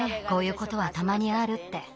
こういうことはたまにあるって。